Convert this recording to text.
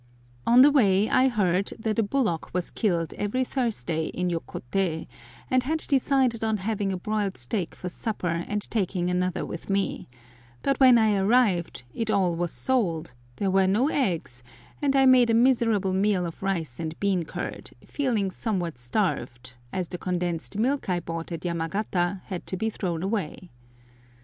On the way I heard that a bullock was killed every Thursday in Yokote, and had decided on having a broiled steak for supper and taking another with me, but when I arrived it was all sold, there were no eggs, and I made a miserable meal of rice and bean curd, feeling somewhat starved, as the condensed milk I bought at Yamagata had to be thrown away.